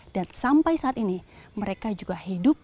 dan sampai saat ini mereka juga hidup